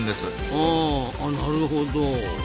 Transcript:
あなるほど。